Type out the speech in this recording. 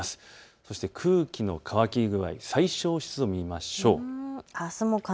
そして空気の乾き具合、最小湿度を見ましょう。